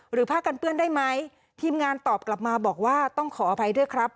ผ้ากันเปื้อนได้ไหมทีมงานตอบกลับมาบอกว่าต้องขออภัยด้วยครับ